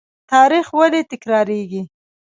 تاریخ ولې تکراریږي؟